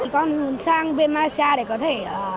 con sang bên malaysia để có thể